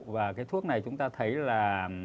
và thuốc này chúng ta thấy là